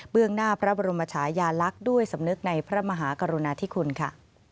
หน้าพระบรมชายาลักษณ์ด้วยสำนึกในพระมหากรุณาธิคุณค่ะ